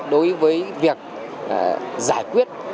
đối với việc giải quyết